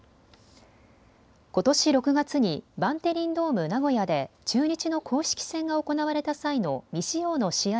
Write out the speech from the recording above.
ことし６月にバンテリンドームナゴヤで中日の公式戦が行われた際の未使用の試合